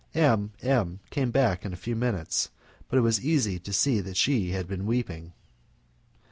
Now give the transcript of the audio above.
M M came back in a few minutes, but it was easy to see that she had been weeping.